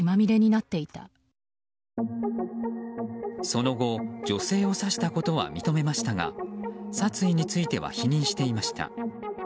その後、女性を刺したことは認めましたが殺意については否認していました。